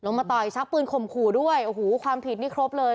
มาต่อยชักปืนข่มขู่ด้วยโอ้โหความผิดนี่ครบเลย